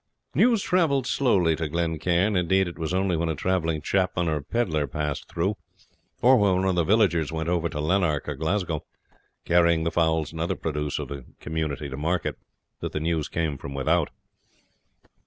News travelled slowly to Glen Cairn; indeed, it was only when a travelling chapman or pedlar passed through, or when one of the villagers went over to Lanark or Glasgow, carrying the fowls and other produce of the community to market, that the news came from without.